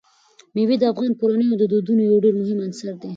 مېوې د افغان کورنیو د دودونو یو ډېر مهم عنصر دی.